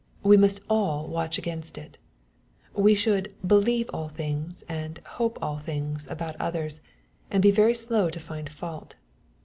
We must all watch against it. We should " believe all things/' and " hope all things '' about others, and be very slow to find fault.